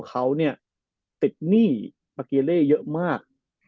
เขาเนี่ยติดหนี้มาเกเล่เยอะมาก